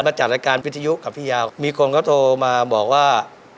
พอด้านจากรายการวิทยุกับพี่ยาวว่ามีคนก็โทรมาพูดว่า